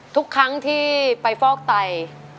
ทุกครั้งที่ไปฟอกไต